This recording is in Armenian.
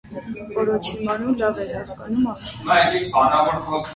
Օրոչիմարուն լավ էր հասկանում աղջիկներին։